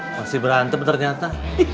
masih berantem ternyata